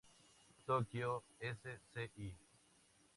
Tokyo Sci.